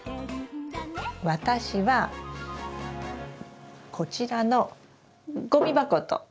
私はこちらのゴミ箱と。